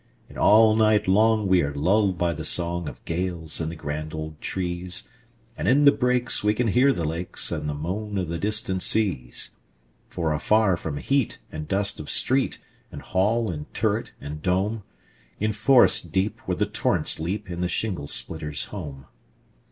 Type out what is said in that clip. And all night long we are lulled by the songOf gales in the grand old trees; And in the breaks we can hear the lakesAnd the moan of the distant seas. For afar from heat and dust of street, And hall and turret, and dome, In forest deep, where the torrents leap, Is the shingle splitter's home.